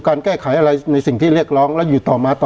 การแก้ไขอะไรในสิ่งที่เรียกร้องแล้วอยู่ต่อมาต่อ